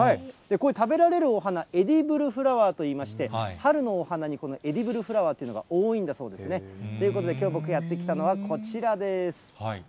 こういう食べられるお花、エディブルフラワーといいまして、春のお花に、このエディブルフラワーというのが多いんだそうですね。ということで、きょう、僕、やって来たのはこちらです。